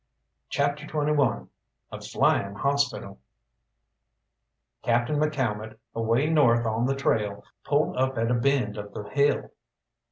CHAPTER XXI A FLYING HOSPITAL Captain McCalmont, away north on the trail, pulled up at a bend of the hill.